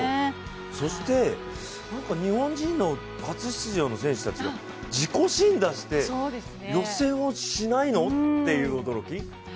そして、なんか日本人の初出場の選手たちが自己新、出して予選落ちしないの？っていう驚き。